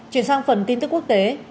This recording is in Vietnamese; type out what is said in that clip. chuyển sang phần tin tức quốc tế